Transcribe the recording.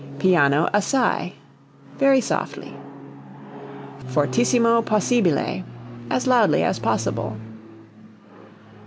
Piano assai very softly. Fortissimo possibile as loudly as possible.